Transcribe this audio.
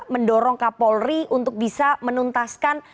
mendorong kapolri untuk bisa menuntaskan